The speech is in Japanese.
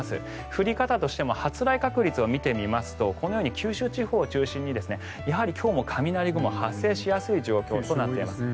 降り方としても発雷確率を見てみますとこのように九州地方を中心に今日も雷雲が発生しやすい状況となっています。